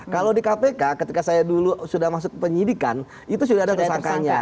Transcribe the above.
kalau di kpk ketika saya dulu sudah masuk penyidikan itu sudah ada tersangkanya